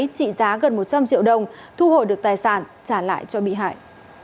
trị giá gần một trăm linh triệu đồng thu hồi được tài sản trả lại cho bị hại